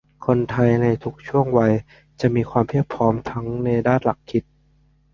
คนไทยในทุกช่วงวัยจะมีความพร้อมทั้งในด้านหลักคิด